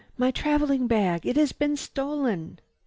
My traveling bag! It has been stolen!"